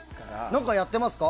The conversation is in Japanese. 何か、やっていますか？